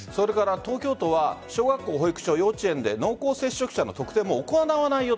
東京都は小学校保育所、幼稚園で濃厚接触者の特定も行わないよ。